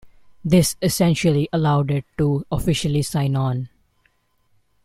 This essentially allowed it to officially sign-on.